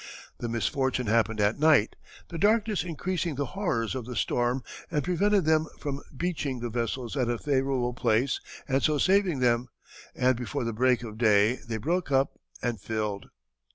The misfortune happened at night, the darkness increasing the horrors of the storm and preventing them from beaching the vessels at a favorable place and so saving them, and before the break of day they broke up and filled."